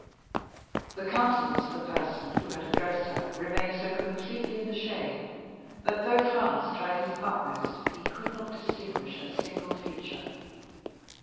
The countenance of the person who had addressed her remained so completely in the shade, that, though Franz tried his utmost, he could not distinguish a single feature.